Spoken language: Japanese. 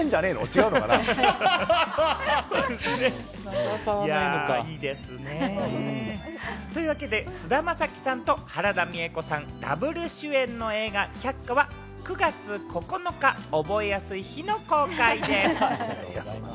違うのかな？というわけで、菅田将暉さんと原田美枝子さん、Ｗ主演の映画『百花』は９月９日、覚えやすい日の公開です。